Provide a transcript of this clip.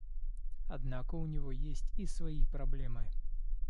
Однако у него есть и свои проблемы.